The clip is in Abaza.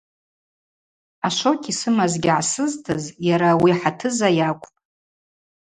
Ашвокь йсымазгьи гӏасызтыз йара ауи Хӏатӏыза йакӏвпӏ.